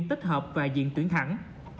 tích hợp và diện tuyển thẳng